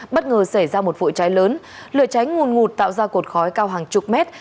bất ngờ xảy ra một vụ cháy lớn lửa cháy nguồn ngụt tạo ra cột khói cao hàng chục mét